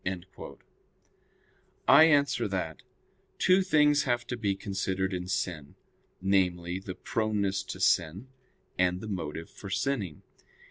I answer that, Two things have to be considered in sin, namely, the proneness to sin, and the motive for sinning.